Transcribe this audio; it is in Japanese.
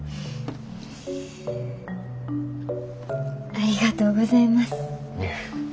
ありがとうございます。